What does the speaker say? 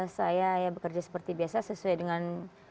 saya bekerja seperti biasa sesuai dengan